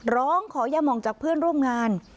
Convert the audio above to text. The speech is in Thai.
ร้องขอย่ามองจากเพื่อนร่วมงาน